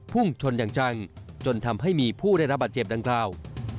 พุ่งชนอย่างจังจนทำให้มีผู้ได้รับบาดเจ็บดังกล่าว